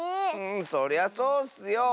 そりゃそうッスよ。